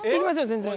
全然。